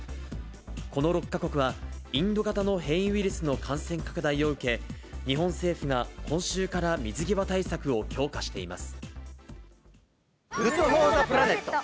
この６か国は、インド型の変異ウイルスの感染拡大を受け、日本政府が今週から水際対策を強化しています。